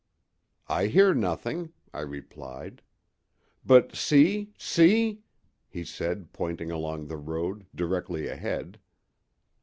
"I hear nothing," I replied. "But see—see!" he said, pointing along the road, directly ahead.